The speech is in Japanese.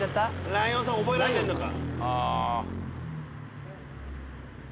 ライオンさん覚えられてんのか。